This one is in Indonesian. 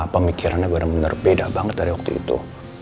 pemikirannya bener bener beda banget dari waktu itu